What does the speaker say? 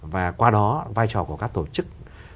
và qua đó vai trò của các tổ chức